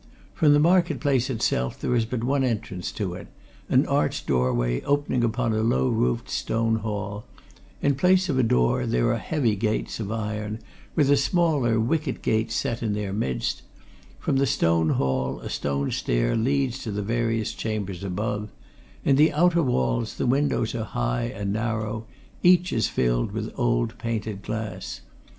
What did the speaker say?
From the market place itself there is but one entrance to it; an arched doorway opening upon a low roofed stone hall; in place of a door there are heavy gates of iron, with a smaller wicket gate set in their midst; from the stone hall a stone stair leads to the various chambers above; in the outer walls the windows are high and narrow; each is filled with old painted glass.